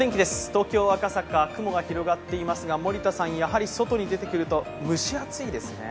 東京・赤坂、雲が広がっていますが森田さん、やはり外に出てくると蒸し暑いですね。